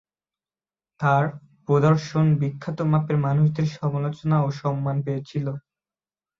তাঁর প্রদর্শন বিখ্যাত মাপের মানুষদের সমালোচনা ও সম্মান পেয়েছিল।